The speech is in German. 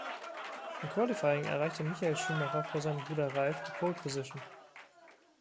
Im Qualifying erreichte Michael Schumacher vor seinem Bruder Ralf die Pole Position.